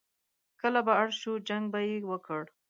کله به اړ شو، جنګ به یې وکړ.